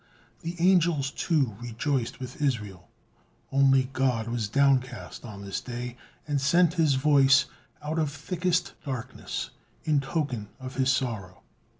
The angels, too, rejoiced with Israel, only God was down cast on this day and sent His voice "out of thickest darkness," in token of His sorrow.